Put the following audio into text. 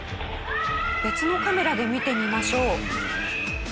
別のカメラで見てみましょう。